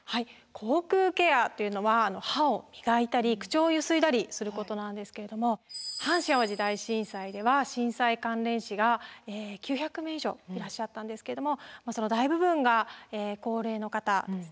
口腔ケアというのは歯を磨いたり口をゆすいだりすることなんですけれども阪神・淡路大震災では震災関連死が９００名以上いらっしゃったんですけどもその大部分が高齢の方ですね。